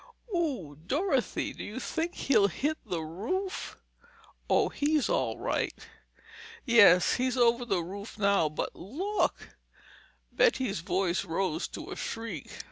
Ooh, Dorothy—do you think he'll hit the roof?" "Oh, he's all right—" "Yes, he's over the roof now—but look!" Betty's voice rose to a shriek.